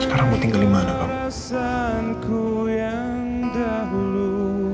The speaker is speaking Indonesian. sekarang mau tinggal di mana kamu